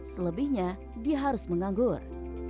selebihnya dia harus menganggur